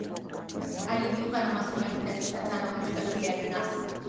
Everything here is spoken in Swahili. alijiunga na masomo ya kidato cha tano katika shule ya binafsi